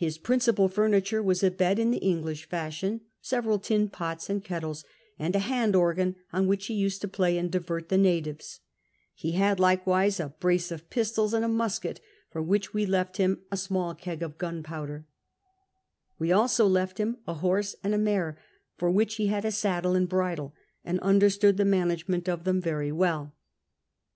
Ilis pniicijm! furniture was a bed in the English fashion, several tin 2)ots and kettles, and a hand organ, on whicli he used to play and divert the natives ; he hiul likewise a brace of pistols and a niuskcd, for which we left him a small keg of giuipowder ; we also left him a horse and a mare, for which he had a saddle and bridle, and understood the management of them very well.